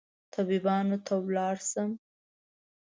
طبيبانو ته ولاړ شم